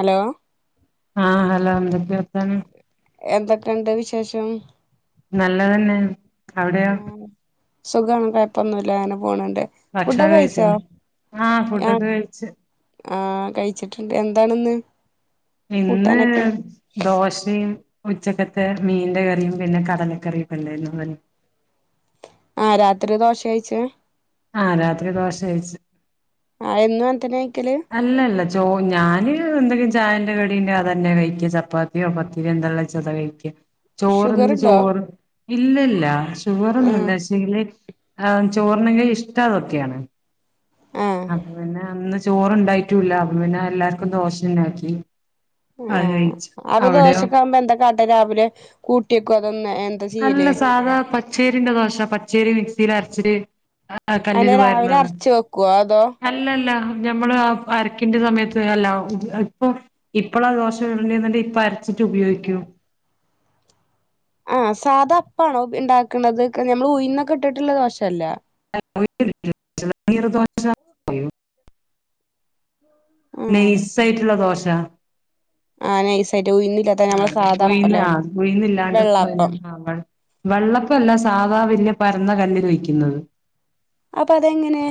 Hello ആഹാ hello എന്തൊക്കെ വെക്കാന് എന്തൊക്കെ ഒണ്ട് വിശേഷം നല്ലതന്നെ അവിടെയോ ആഹ് സുഖാണ് കൊഴപ്പോന്നും ഇല്ല അങ്ങനെ പോണണ്ട് ഭക്ഷണം കഴിച്ചോ ആ ഫുഡൊക്കെ കഴിച്ച് ആഹാ കഴിച്ചിട്ടിണ്ട് എന്താണിന്ന് ഇന്ന് കൂട്ടാനൊക്കെ ദോശയും ഉച്ചക്കത്തെ മീന്റേ കറിയും പിന്നെ കടലക്കറിയുമൊക്കെ ഇണ്ടായിരുന്നു ഇവി ആ രാത്രി ദോശ കഴിച്ച് ആ രാത്രി ദോശ കഴിച്ച് ആഹാ എന്നും എന്താനെകഴിക്കല് അല്ലല്ല ചോ ഞാന് എന്തെങ്കിലും ചായന്റെ കടീണ്ടേ അതന്നെ കഴിക്കു ചപ്പാത്തിയോ പത്തിരിയോ എന്താ ഒള്ളേന്ന് വെച്ച അതാ കഴി ക്ക് ചോറൊന്ന് ഷുഗറുണ്ടോ ചോറ് ഇല്ലല്ല ഷുഗറൊന്നും ആഹ് ഇല്ല ച്ച് റ്റില്ലേറ്റ് ആ ചോറുണ്ണെങ്കി ഇഷ്ടം അതൊക്കെയാണ് ആഹ് അത് പിന്നെ അന്ന് ചോറുണ്ടായിട്ടും ഇല്ല അപ്പോ പിന്നെ എല്ലാർക്കും ദോഷ ഇണ്ടാക്കി ആഹാ അപ്പ ദോശക്കാവുമ്പ എന്താകാട്ടുവ രാവിലെ കൂട്ടിവെക്ക്വ അതൊന്നെ ഏ അല്ല സാധാ പച്ചേരിന്റെ ദോശ പച്ചേരി മിക്സില് അരച്ചിട് ആഹ അയിന് കല്ലില് രാവിലെ പകരുന്നത് അരച്ച് വെക്കുവോ അതോ അല്ലല്ല ഞമ്മള് ആ അരക്കിന്റെ സമയത്ത് ഹല്ലാവും [unintelligible] ഇപ്പം ഇപ്പളാ ദോശ ചുടന്റേന്നന്റ ഇപ്പ അരച്ചിട്ട് ഉപയോഗിക്കും ആഹാ സാധാ അപ്പാണോ ഉപ് ഇണ്ടാക്കണത് ക്ക് ഞമ്മള് ഊയിന്നൊക്കെ ഇട്ടിട്ടുള്ള ദോശ അല്ല [unintelligible] ആഹ് നൈസ് ആയിട്ടുള്ള ദോശ ആഹാ നൈസ് ആയിട്ട് ഊയിന്ന് ആഹാ ഉഴിന്നാ ഊയിന്നില്ലാണ്ട് പോയി വെള്ളാപ്പം നിന്ന് അവൾ വെള്ളപ്പല്ല സാധാ വെല്യ പരന്ന കല്ലില് വെക്കുന്നത് അപ്പ അതെങ്ങനെ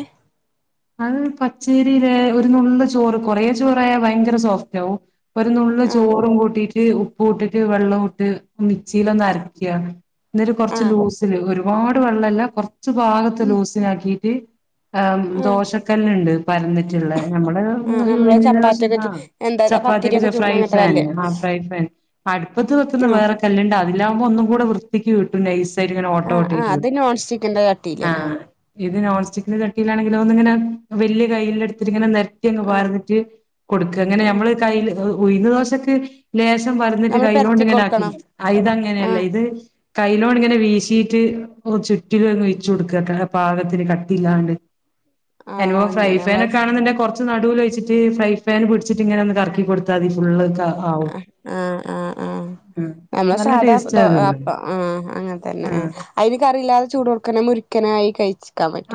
അത് പച്ചേരില് ഒരു നുള്ള് ചോറ് കൊറേ ചോറായാ ഭയങ്കര സോഫ്റ്റ് ആവും ഒരു നുള്ള് ആഹ് ചോറും കൂട്ടിട്ട് ഉപ്പും ഇട്ടിട്ട് വെള്ളോം ഇട്ട് മിക്സില് ഒന്ന് അരക്കയാണ് എന്നിട്ട് കൊറച്ച് ആഹ് ലൂസില് ഒരുപാട് വെള്ളല്ലാ കൊറച്ച് ഭാഗത്ത് ഉം ലൂസിന് ആക്കീട്ട് ആഹ് ദോശക്കല്ല് ണ്ട് പരന്നിട്ടുള്ള നമ്മള് ആഹ് നമ്മള് ചപ്പാത്തിയൊക്കെ [unintelligible] ചു ആഹ് എന്താ പത്തിരിയൊക്കെ ചപ്പാത്തിക്ക് ഫ്രൈ ചുടണ അങ്ങനത്തെ പാന് കല്ല് ആഹ് ഫ്രൈ പാൻ അടുപ്പത്ത് വെക്ക്ന്ന ആഹ് വേറെ കല്ല്ണ്ട് അതില്ലാകുമ്പോ ഒന്നും കൂടെ വൃ ത്തിക്ക് കിട്ടും നൈസായിട്ട് ഇങ്ങനെ ഓട്ടോ ആഹ് ഓട്ടായ്ട്ട് ആഹ് അത് കിട്ടും നോൺ സ്റ്റിക്കിന്റെ ചട്ടിയിലന്നെ ആഹ് ഇത് നോൺ സ്റ്റിക്കിന്റെ ചട്ടിയിലാണെങ്കിലൊന്നിങ്ങനെ വലിയ കയ്ലിലെടുത്തിട്ട് ങ്ങനെ നെര് ത്ത്യങ്ങ് ആഹ് പാർന്നിട്ട് കൊടുക്ക ങ്ങനെ ആഹ് നമ്മള് കയ്ല് ഉ ഉഴുന്ന് ദോശക്ക് ലേശം പാർന്നിട്ട് നമ്മള് പെരത്തി കയ്ലോണ്ടിങ്ങനെ ആക്കി കൊടുക്കണം അ ഇതങ്ങനെയല്ല ആഹ് ഇത് കയ്ലോണ്ട് ങ്ങനെ വീശീട്ട് ചുറ്റിലും അങ് ഒഴിച്ചു കൊടുക്ക പാകത്തിന് കട്ടില്ലാണ്ട്. ആഹ് അല്ലോം ഫ്രൈ അങ്ങനെ ഫാൻ നമ്മള് ഒക്ക ആണന്നുണ്ടെങ്ക് കൊർ ച്ച് നടൂലൊഴിച്ചിട്ട് ഫ്രൈ ഫാൻ പിടിച്ചിട്ട്ങ്ങനെ ഒന്ന് കറക്കി കൊടുത്താതി ഫുള്ള് ക അഹ് ആഹ് ആഹ് ആഹ്. ഉം നമ്മളെ നല്ല സാദാ ടേസ്റ്റ് ദോ അത് അപ്പം ആഹ് അങ്ങൻതന്നെ ആഹ് അയ്ന് കറില്ലാതെ ചൂടോട്ക്കനെ മുരിക്കനായി കഴിച്ച്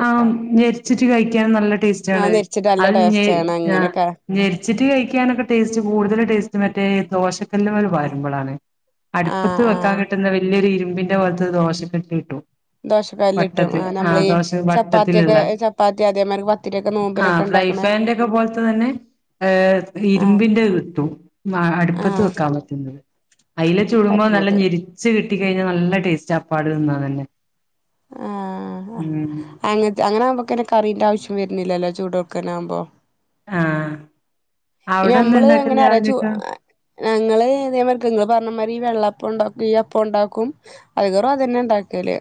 ആഹ് ഞെരിച്ചിട്ട് കഴിക്ക്യാൻ നല്ല ആഹ് ടേസ്റ്റാണത്. നെരിച്ചിട്ട് നല്ല അഹ് ടേസ്റ്റ് ഞെരി ആണ് ആഹ് അങ്ങനെയൊക്കെ ഞെരിച്ചിട്ട് കഴിക്കാനൊക്കെ ടേസ്റ്റ് കൂടുതൽ ടേസ്റ്റ് മറ്റേ ദോശക്കല്ല് മല് പാരുമ്പളാണ്. ആഹ് അടുപ്പത്ത് വെക്കാൻ ആഹ് കിട്ടുന്ന വലിയൊരു ഇരുമ്പിൻന്റെ പോലത്തെ ദോശക്കട്ടി കിട്ടു. ദോഷക്കല്ലിട്ടും ആഹ് നമ്മളീ ചപ്പാത്തിയൊക്കെ വട്ടത്തിലുള്ള ചപ്പാത്തി അതേമായ്രിക് പത്തിരിയൊക്കെ ആഹ് നോമ്പിനൊക്കെ ഫ്രൈ ണ്ടാക്ക്ണേ. പാന്റെ ഒക്കെ പോലത്തെ തന്നെ ഏഹ് ഇരുമ്പി ൻ്റെത് കിട്ടും മ അടുപ്പത്ത് ആഹ് വെക്കാൻ പറ്റുന്നത്. അയ്ല് ചൂടുമ്പോ നല്ല പറ്റണത് ഞെരി ച്ച് കിട്ടി കഴിഞ്ഞാ നല്ല ടേസ്റ്റാ അപ്പാട് തിന്നാനന്നെ ഉമ് അങ്ങൻത്തെ അങ്ങനെ ആവുമ്പോൾക്കന്നെ കറിൻ്റെ ആവശ്യം വരുന്നില്ലല്ലൊ ചൂടോക്കനാവുമ്പം. ആഹ് പിന്നെ അവ്ടെന്താ നമ്മള് എങ്ങനെ ഉണ്ടാക്കല് അറിയാ ചൂ രാവില്യൊക്കെ? ഞങ്ങള് ഇതേ മായ്രിക് ഇങ്ങള് പർണമായിരി ഈ വെള്ളപ്പം ഉണ്ടാക്കും ഈ അപ്പം ഉണ്ടാക്കും. അധികേറു അതന്നെ ഇണ്ടാക്കല്.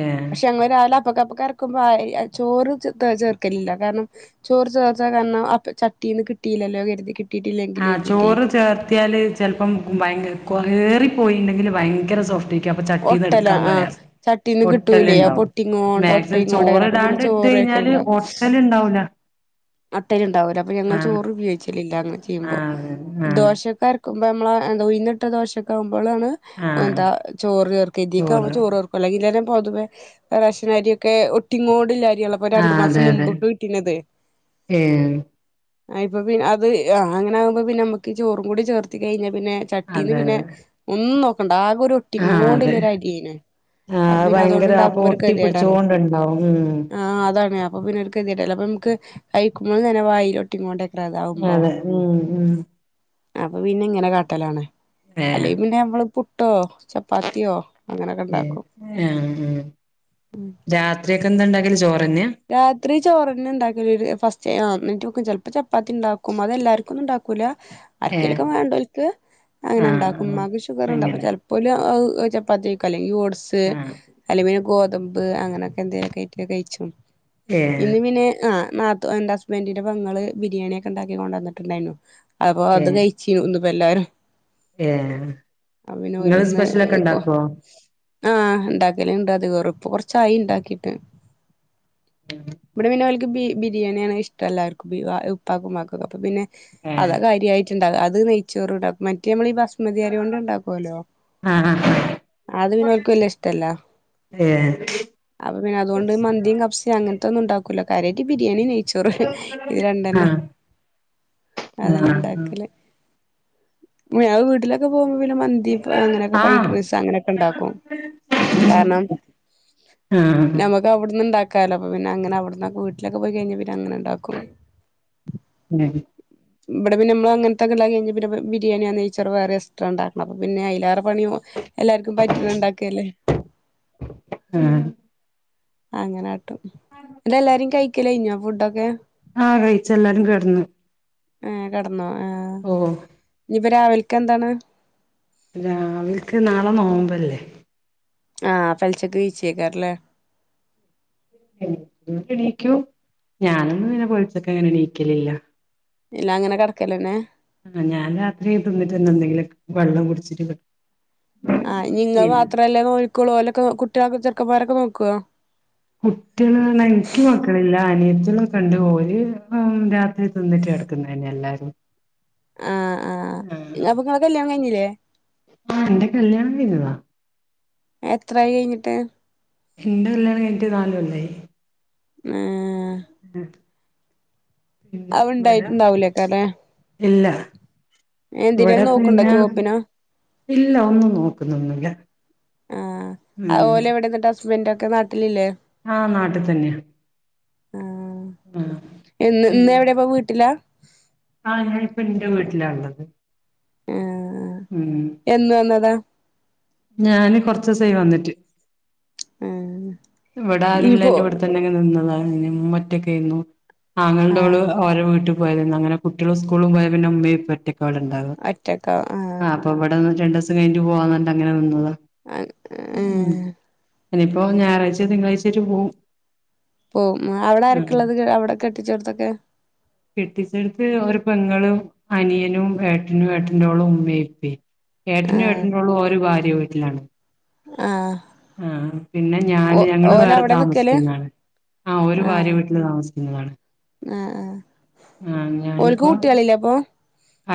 ഏഹ് പക്ഷെ അങ്ങള് രാവിലെ അപ്പൊക്കെപ്പക്കര്ക്കുമ്പോ ചോറ് ച ചേർക്കലില്ല കാരണം ചോറ് ചേർച്ച കാരണം അപ് ചട്ടീന്ന് കിട്ടില്ലല്ലോ കരുതി. കി ആഹ് ചോറ് ചേർത്തിയാല് ചൽപ്പം ഭയ്ങ്കര കൊ ഏറി പോയിണ്ടെങ്കിൽ ഭയങ്കര സോഫ് റ്റേക്യു. അപ്പ ചട്ടീന്ന് ഒട്ടല എട്ക്കാൻ ആഹ് പ്രയാസ് ചട്ടീന്ന് ഒട്ടൽ കിട്ടൂലേ അപ്പൊ ണ്ടാവും. ഒട്ടിങ്ങോണ്ട് [unintelligible] ചോറ് ഒട്ടയിങ്ങോണ്ടേക്കാരം അപ്പൊ പിന്നെ ഇടാണ്ട് ഇട്ട് കഴിഞ്ഞാല് ഒട്ടൽ ണ്ടാവൂല. ഒട്ടല് ണ്ടാവൂല അപ്പ ഞങ്ങൾ ചോറ് ഉപയോഗിച്ചലില്ല അങ്ങനെ ചെയ്യുമ്പോ. ആഹ് അതെ ആഹ് ദോശക്കര് ക്കുമ്പ നമ്മള് എന്താ ഉഴ്ന്നിട്ട ദോശൊക്കെ ആവുമ്പളാണ് ആഹ് എന്താ ചോറ് ചേർക്ക ഇതീക്കാവുമ്പം ചോറ് ചേർ ക്കൂല. ഇരരെ പോതുവേ റേഷനര്യൊക്കെ ഒട്ടിങ്ങോണ്ട്ല്ലെ അര്യാല്ലോ ഇപ്പൊ രണ്ടു മാസം മുമ്പൊക്കെ കിട്ടീനത്. ഏൻ ആഹ് ഇപ്പൊ പിൻ അത് ആഹ് അങ്ങെനാവുമ്പോ പിന്നെ നമ്മക്ക് ചോറും കൂടി ചേർത്തി കഴിഞ്ഞാ പിന്നെ ചട്ടീന്ന് അതെ പിന്നെ അതെ ഒന്നും നോക്കണ്ട ആകെ ഒരു ഒ ആഹ് അതെ ട്ടിങ്ങോണ്ട്ല്ലെ ആഹ് ഒരു അരിയേനു. അപ്പ അത് പിന്നെ അതോണ്ട് ഭയങ്കര അപ്പൊ ഇണ്ടാക്കുമ്പോ ഒരു ഒട്ടി കെത്യേടാണ്. പിടിച്ചോണ്ട്ണ്ടാവും ഉം ആഹ് അതാണ് അപ്പൊ പിന്നെ ഒര് കെത്യേടല്ലെ അപ്പം നമ്ക്ക് കഴിക്കുമ്പള് തന്നെ വായിലോ ട്ടിങ്ങോണ്ടേക്കതാവുമ്പം. അതെ ഉം ഉം അപ്പൊ പിന്നെ ഇങ്ങനെ കാട്ടലാണ്. ഏഹ് അല്ലെ പിന്നെ നമ്മള് പുട്ടോ ചപ്പാത്തിയോ അങ്ങനൊക്കെ ഉണ്ടാക്കും ഏഹ് എആഹ് രാത്രി ഒക്കെ എന്തണ്ടാക്കല്, ചോറന്ന്യാ? രാത്രി ചോറന്നെ ണ്ടാക്കലൊര് ഫസ്റ്റേ ആഹ് എന്നിറ്റോക്കും ചെൽപ്പ ചപ്പാത്തിണ്ടാക്കും. അതെല്ലാർക്കൊന്നും ഉണ്ടാ കുല ഏഹ് ആർക്കേലൊക്കെ വാണ്ടോ അങ്ങനെ ആഹ് ഇണ്ടാക്കും ആഹ് ഉമ്മാക്ക് ഷുഗർ ഇണ്ട് അപ്പ അങ്ങനെ ചെലപ്പോ ചപ്പാത്തിക്കഴിക്കും അല്ലെങ്കിൽ ഓട്സ് ആഹ് അല്ലെങ്കിൽ പിന്നെ ഗോതമ്പ് അങ്ങനെയൊക്കെ എന്തെലുമൊക്കെ ആയിട്ട് കഴിച്ചും ഏഹ് ഇന്ന് പിന്നെ ആ നാത്തു എന്റെ ഹസ്ബന്റിന്റെ പെങ്ങള് ബിരിയാണിയോക്കെ ഇണ്ടാക്കി കൊണ്ടന്നിട്ടുണ്ടായിരുന്നു അപ്പൊ അത് ഏഹ് കഴിച് ഇന്ന്പ്പോ എല്ലാരും ഏഹ് അപ്പോ ഇങ്ങള് പിന്നെഒലിന്ന് സ്പെഷ്യലൊക്കെ ഇണ്ടാക്കോ? ആഹ് ഇണ്ടാക്കല്ണ്ട് അതികോറും ഇപ്പൊ കൊറച്ചായി ഇണ്ടാക്കിട്ട്. ഉം ഇവിടെ പിന്നോലിക്ക് ബിരിയാണിയാണ് ഇഷ്ടം എല്ലാവർക്കും ഇപ്പാക്കും ഇമ്മാക്കുംഒകെ അപ്പ പിന്നെ ഏഹ് അതാകാര്യമായിട്ട്. അത് നെയ്ച്ചോറ് ഇണ്ടാക്കും മറ്റേ നമ്മൾ ഈ ബസ്മതിയരി കൊണ്ട് ഉണ്ടാക്കോല്ലോ. ആഹ് ആഹ് അത് പിന്നോൾക് വല്ലിയെ ഇഷ്ടല്ല. ഏഹ് അപ്പൊ പിന്നെ അതുകൊണ്ട് മന്തിം കബ്സ അങ്ങനത്തെന്നുംണ്ടാക്കൂല്ല കാരിയായിട്ട് ബിരിയാണി നെയ് നെയ്ച്ചോറ് ഇത് രണ്ടുന്നെ ആഹ് ആഹ് അതന്നെണ്ടാക്കല്. ഇമ്മേ വീട്ടിലാ പോവുമ്പോ പിന്നെ മന്തി അങ്ങനെയൊക്കെ ആഹ് ആഹ് ഫൈഡ്രൈസ് അങ്ങനൊക്കെ ഇണ്ടാക്കും. കാരണം ആഹ്‌ പ്പ അവിട്ന്ന്ണ്ടാക്കാലോ അപ്പ പിന്നെങ്ങനെ അവിടന്ന വീട്ടിലൊക്കെ പോയി കഴിഞ്ഞാൽ പിന്നെ അങ്ങെനീണ്ടാക്കും. ഹമ് ഇവിടെ പിന്നെനമ്മ അങ്ങനത്തൊ ക്കെണ്ടാക്കി കഴിഞ്ഞ പിന്നെ ബിരിയാണിയാ നേയ്ച്ചാറാ വേറെ എക്സ്ട്രാ ഇണ്ടാക്കണം അപ്പോ പിന്നെ അയിലേറ പണിയോ എല്ലാർക്കും പറ്റണണ്ടാക്കല്ലേ. ആഹ് അങ്ങനെയാട്ടും ഇതെല്ലാരും കഴിക്കലഴിഞ്ഞോ ഫുഡൊക്കെ. ആഹഹ്‌ കഴിച്ചല്ലാരും കെടന്നു. ആഏ കെടന്നു ആ ഓഹ് ഇനിപ്പോ രാവിലക്ക് എന്താണ്. രാവിലക്ക് നാളെ നോമ്പല്ലേ. ആ പെലച്ചക്ക് നീച്ചാക്കാരല്ലേ. നീക്കും ഞാനൊന്നും ഇങ്ങനെ പെലച്ചക്ക് അങ്ങനെ എണീക്കലില്ല. ഇല്ലാ അങ്ങനെ കെടകലെന്നെ ആ ഞാൻ രാത്രി തിന്നിട്ടൊന്നുല്ല എന്തെങ്കിലും വെള്ളം കുടിച്ചിട്ട് കെടക്കും. ആഹ് നിങ്ങൾ പിന്നെ മാത്രമല്ലേ നോൽക്കോളൂ ഓലൊക്കെ കുട്ടിയാളൊക്കെ ചെർക്കമാരൊക്കെ നോക്കുവോ. കുട്ടിയാൾ എനിക്ക് മക്കളില്ല അനിയത്തിലോക്കെണ്ട് ഓൽ രാ തിന്നിട്ട് കെടക്ക്ന്നന്നെല്ലാരും. ആഹ് ആഹ് അപ്പൊ നിങ്ങളെ കല്യാണം കഴിഞ്ഞില്ലേ ആ എന്റെ കല്യാണം കഴിഞ്ഞതാ. എത്രായി കഴിഞ്ഞിട്ട്. ഇന്റെ കല്യാണം കഴിഞ്ഞിട്ട് നാല് കൊല്ലായി. ഏ എ അവുണ്ടായിട്ടുണ്ടാവൂലേക്കാരല്ലേ. ഇല്ല ഇവിട എന്തിനേലും നോക്കണ്ടോ പ്പിന്നെ. ജോബിനോ ഇല്ല ഒന്നുനോക്കുന്നൊന്നുല്ല. ആഹ്‌ ഓലെവിടെ എന്നിട്ട് ഹസ്ബൻറ് ഒക്കെ നാട്ടിലില്ലേ. ആഹ് നാട്ടിൽ തന്നെയാ ആ ആ ഇന്ന് വിടെപ്പ വീട്ടിലാ. ആ ഞാനിപ്പോ ഇന്റെ വീട്ടിലാള്ളത് ആഹ് ഉം എന്ന് വന്നതാ, ഞാന് കൊറചീസായി വന്നിട്ട്. ഉം ഇവിടെ ആരുല്ലല്ലോവിടെത്തന്നെ അങ് നിന്നതാണ്. ഇമ്മറ്റൊക്കായിരുന്നു ആഹ് ആങ്ങുടെഓള്. ഓരോ വീട്ടിൽ പോയതി അങ്ങനെ കുട്ടികളും, സ്കൂളും പോയ പിന്നെ ഉമ്മയും ഉപ്പറ്റക്കാണ്ടാവും ഒറ്റക്കാ ഹാ. ആഹ് അപ്പോ ഇവിടെന്ന് രണ്ടീസം കഴിഞ്ഞു പോവാന്നട്ട അങ്ങനെ നിന്നത ഉം. ഏഹ് അനിയിപ്പോ ഞായറാഴ്ചെ തിങ്കളാഴ്ചറ്റെ പോവും. പോവും, അവിടെ ആഹ് ആരെക്കെയുള്ളത്? അവിടെ കെട്ടിച്ചെടത്തൊക്കെ? കെട്ടിച്ചെടുത്ത് ഒരു പെങ്ങളും, അനിയനും, ഏട്ടനും, ഏട്ടന്റോളും, ഉമ്മയിപ്പിഎം. ഏട്ടനും ആഹ് ഏട്ടറ്റോള്ളമ് ഓര് ഭാര്യവീട്ടിലാണ്. ആഹാ. ആഹ പിന്നെ ഞാന്, ഞങ്ങള് വേറെ അവിടെ നിക്കല് താമസിക്കുന്നതാണ്. ആഹ ഒരു ഭാര്യ ആഹ് വീട്ടിൽ താമസിക്കുന്നതാണ്. ആഹ്, ആഹാ ആഹ് ഒള്ക്ക് ഞാനിപ്പോ കുട്ടികളില്ലേ അപ്പോ?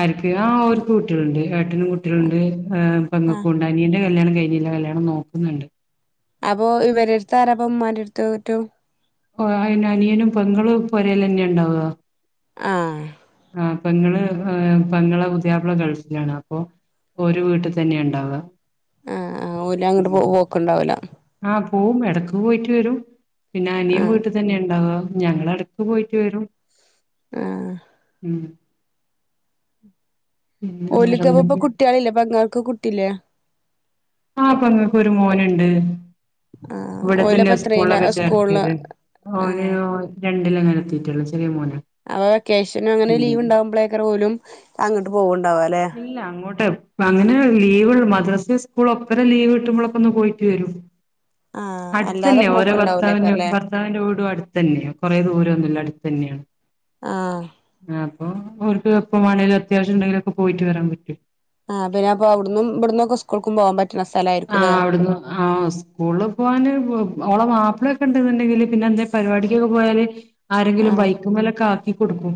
ആർക്ക്? ആഹാ ഒര്ക്ക് കുട്ടികളുണ്ട്. ഏട്ടനും കുട്ടികളുണ്ട്, ആഹാ ആഹ് പെങ്ങക്കുണ്ട്, അനിയന്റെ- കല്യാണം കഴിഞ്ഞില്ല, കല്യാണം നോക്കുന്നുണ്ട്. അപ്പോ ഇവരെ എടുത്താരപ്പ, ഉമ്മാന്റെ എടുത്ത് റ്റുറ്റോ. ഓ അയിന് അനിയനും, പെങ്ങളും, ഈ പോരേല് തന്നെ ഉണ്ടാവോ? ആഹാ. ആഹാ പെങ്ങള് ഹ് പെങ്ങളെ പുതിപിള ഗൾഫിലാണ്, അപ്പോ ഒര് വീട്ടിൽ തന്നെ ഉണ്ടാവുക. ആഹാ ആഹാ ഓല അങ്ങോട്ട് പോ പോക്ക് ഉണ്ടാവില്ല. ആഹ് പോവും, ഇടക്ക് പോയിട്ട് വരും. പിന്നെ അനിയൻ വിടും. ആഹ് ഇവിടെ തന്നെ ഉണ്ടാവ, ഞങ്ങള് എടക്ക് പോയിട്ട് വരും. ങഹ്. [unintelligible] ഓലിക്ക് വേറെന്തൊക്കെ അപ്പകുട്ടികളില്ലേ? പെങ്ങൾക്ക് കുട്ടില്ലേ? ആഹ് പെങ്ങക്ക് ഒരു മോനുണ്ട്. ആഹ് ഓലപ്പ ഇവിടെത്തന്നെയ എത്രയിലാ സ്കൂളൊക്കെ സ്കൂളില് ചേർത്തിയത് ഓലി ആഹ് ഓൽ, രണ്ടില അങ്ങനെത്തിട്ടുള്ളൂ ചെറിയ മോന. അപ്പ വെക്കേഷനും അങ്ങനെ- ലീവ്ണ്ടാവുമ്പോളേക്കേറ് പോലും അങ്ങോട്ട് പോകണ്ടാവാ അല്ലെ? ഇല്ല അങ്ങോട്ട് എപ്പ അങ്ങനെ ലീവ് മദ്രസെ, സ്കൂള്, ഒപ്പരം ലീവ് കിട്ടുമ്പോളൊക്കെ ഒന്ന് പോയിട്ട് വരും. [unintelligible] അല്ലാതെ അടുത്തന്നെ ഓരോ ഭർത്താവിനെ- പോക്ക്ണ്ടാവൂലേക്കാരല്ലേ ഭർത്താവിന്റെ വീടും അടുത്ത തന്നെയാ. കൊറെദൂരൊന്നുല്ല, അടുത്ത തന്നെയാ. ആഹ് അപ്പോ ഒരിക്ക് എപ്പോ വേണേലും, അത്യാവശ്യം ഉണ്ടെങ്കിലഒക്കെ, പോയിട്ട് വരാൻ പറ്റും. ആഹാ പിന്ന അപ്പ അവിടന്നും, ഇവിടുന്നുഒക്കെ സ്കൂൾക്കും, പോകാൻപറ്റും. അസ്സലായി. ആ അവിടന്ന് ആ സ്കൂളിപോവാന് ഓള മാപ്പിള- ണ്ടണ്ടെങ്കില് പിന്നെ എന്തേ പരിപാടിക്കൊക്കെ പോയാല്, ആരെങ്കിലും ബൈക്കുമലൊക്കെ ആക്കി കൊടുക്കും.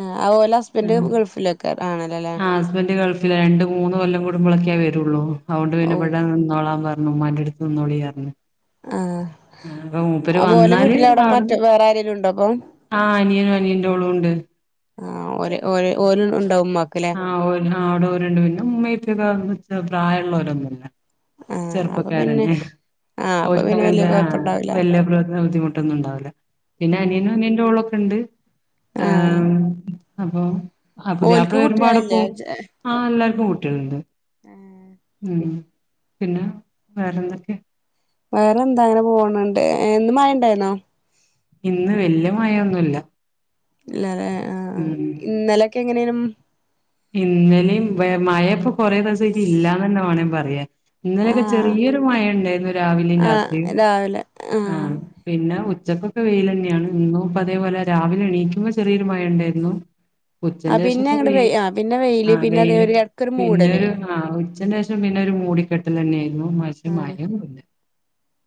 ആഹാ ഓല ഹസ്ബൻറ് ഗൾഫിലൊക്കെ കാണലല്ലേ. ആ ഹസ്ബൻഡ് ഗൾഫിൽ ആയോണ്ട് മൂന്ന് കൊല്ലം കുടുമ്പളൊക്കെയേ വരു, അതൊണ്ട് ഔ പിന്നെ- ഇവിടെ നിന്നോളാൻ പറഞ്ഞു ഉമ്മാന്റെ അടുത്ത് നിന്നോളി പറഞ്ഞു. ആഹ് ആ അപ്പൊ മൂപ്പര് അപോലെ വന്നാല് വീട്ടിലവിടെ മറ്റ വേറെ ആരെലും ഉണ്ടോ അപ്പോ? ആഹ് അനിയനും, അനിയന്റെ ഓളുംണ്ട്. ആഹാ ഒരേ, ഒരേ ഒര് ഇണ്ടാവുംമ്മക്ക്‌. ആ ഓ ആ അവിടെ ഓരുണ്ട് പിന്നെ, ഉമ്മയും ഉപ്പക്കെ വെച്ചാ- പ്രായമുള്ളവരൊന്നുമല്ല. ആഹ് അപ്പൊ പിന്നെ ചെറുപ്പക്കാരന്നെ ആഹ് അപ്പൊ ഓർക്ക്- പിന്നെ വല്യ അതെന്താ കൊഴപ്പണ്ടാവൂല വലിയ പ്രവർത്തന ബുദ്ധിമുട്ട്- മുട്ടൊന്നുണ്ടാവില്ല, പിന്നെ അനിയനും, ആഹ് അനിയന്റെ ഓളൊക്കെ ഉണ്ട് ആഹ് ആഹാ. അപ്പം ഓൽക്ക് ക്യു ബഡാപോം ആഹ് എല്ലാർക്കും കുട്ടികളുണ്ട് ഉമ് ഉം പിന്നെ വേറെന്തൊക്കെ വേറെ എന്താ അങ്ങനെ പോണണ്ട് എന്ന് മയണ്ടായിന്നോ ഇന്ന് വല്യ മഴൊന്നുല്ല ഇല്ല അല്ലേ ആഹ് ആ ഇന്നലക്കെ എങ്ങനെയനും ഇന്നലെയും മഴ ഇപ്പൊ കൊറെ ദിവസാട്ട് ഇല്ലാന്ന് തന്നെ വേണേ പറയാ ഇന്നലൊക്കെ ആഹ് ചെറിയൊരു മഴ ഉണ്ടായിരുന്നു രാവിലെയും ആഹ് രാത്രിയും രാവിലെ ആഹ് പിന്നെ ഉച്ചക്കൊക്കെ വെയിൽ തന്നെയാണ് ഇന്നും ഇപ്പ അതേപോലെ രാവിലെ എണീക്കുമ്പോ ചെറിയൊരു മഴ ഉണ്ടായിരുന്നു ആഹ് ഉച്ചന്റെ ശേഷം പിന്നെ ഒക്കെ അങ്ങട് വെ വെയ് ആഹ് പിന്നെ ആ പിന്നെ അതേ വെയില് ഒരു എടക്കൊരു മൂടല് പിന്നെരു ആഹ് ഉച്ചന്റെ ശേഷം പിന്നെ ഒരു മൂടിക്കെട്ടൽ തന്നെയായിയിരുന്നു മശ മായെന്നുംഇല്ല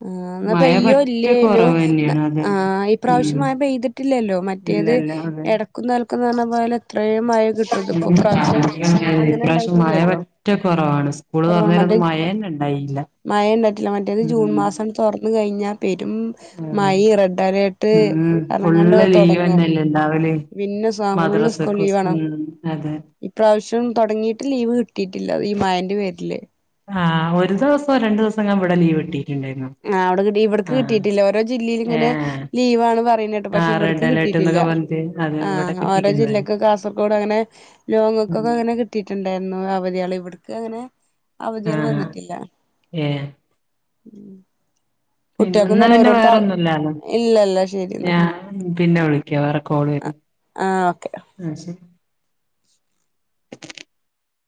ആ എന്നാ പയ്യോ ഇല്ലേനോ കൊറവ് ന തന്നെയാണ് അതെ ആ ഇപ്രാവിശ്യം ഉം മായപെയ്തി പില്ലല്ലോ മറ്റേത് ഇല്ലല്ല അതെ ഇടക്കുന്ന തലക്കും പറഞ്ഞാ പോലെ എത്രയും മഴ കിട്ടും ഇതിപ്പോ ഇപ്രാവശ്യം അങ്ങനെ ഇപ്രാവശ്യം മഴ ഇണ്ടായിട്ടില്ലല്ലോ പറ്റ കുറവാണ് സുകൂൾ തോറ കൊറവാണ് നേരം മറ്റേ ന്നും മഴ തന്ന ഉണ്ടായില്ല മഴ ഉണ്ടായിട്ടില്ല മറ്റേത് ജൂൺ ഉം മാസം തുറന്ന കഴിഞ്ഞാൽ പെരും അതെ മഴ റെഡ് അലേട്ട് ഉം ഫുള്ള് ലീവ് തന്നെല്ലേണ്ടാവില പിന്നെ ഫുള്ള് മദ്രാസ് സ്കൂൾ ലീവാണ് ഉം അതെ ഇപ്രാവശ്യം തുടങ്ങിയിട്ട് ലീവ് കിട്ടിയിട്ടില്ലത് ഈ മായന്റെ പേരില് ആഹ ഒരു ദിവസോ രണ്ടു ദിവസം ഞാൻ ഇവിടെ ലീവ് ഇട്ടിട്ടുണ്ടായിരുന്നു ആഹ് അവിടെ കിട്ട ഇവിക്ക് കിട്ടിട്ടില്ല ഓരോ ജില്ലയിലും ഇങ്ങനെ ഏഹ് ലീവാണ് പറയുന്നട്ട് പക്ഷെ പ ആഹ് ഇവിടക്ക് റെഡ് അലേർട്ട് കിട്ടിയിട്ടില്ല എന്നൊക്കെ പറഞ്ഞിട്ട് അത് ആ ഇവിടെ ഓരോ കിട്ടിക്കുന്നതാണ് ജില്ലക്കും കാസർകോട് അങ്ങനെ ഉം ലോങ്ങക്കക്കെ കിട്ടിയിട്ടുണ്ടായിരുന്നു അവധ ആള് ഇവിടുക്ക് അങ്ങനെ അവധികൾ ആഹ് വന്നിട്ടില്ല ഏഹ് പിന്നെ കുട്ടികൾക്കും ഒന്ന തന്നെ പിന്നെ ഓരോരുത്ത വേറെ ഒന്നുംല്ലാണ് ഇല്ലല്ല ശരി എന്നാ ഞാ പിന്നെ വിളിക്ക വേറെ കോള് ആഹ് ഓക്കെ വരുന്നു [inaudible]